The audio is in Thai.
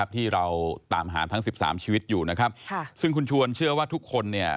ที่เราตามหาทั้ง๑๓ชีวิตอยู่ซึ่งคุณชวนเชื่อว่าทุกคน